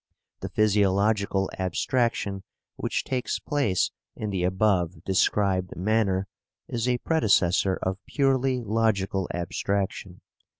The physiological abstraction which takes place in the above described manner is a predecessor of purely logical abstraction.